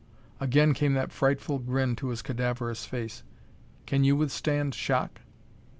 Again came that frightful grin to his cadaverous face. "Can you withstand shock?"